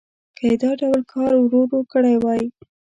که یې دا ډول کار ورو ورو کړی وای.